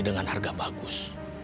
dengan harga bagus